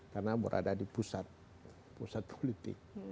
karena berada di pusat pusat politik